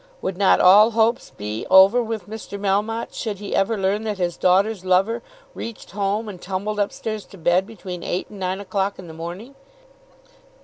Would not all hopes be over with Mr. Melmotte should he ever learn that his daughter's lover reached home and tumbled up stairs to bed between eight and nine o'clock in the morning?